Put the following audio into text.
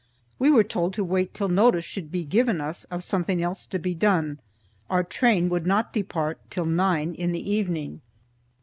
We were told to wait till notice should be given us of something else to be done. Our train would not depart till nine in the evening.